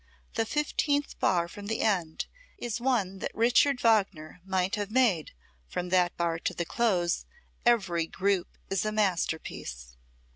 The fifteenth bar from the end is one that Richard Wagner might have made. From that bar to the close, every group is a masterpiece.